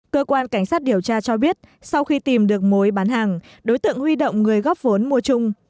cơ quan cảnh sát điều tra cho biết sau khi tìm được mối bán hàng đối tượng huy động người góp vốn mua chung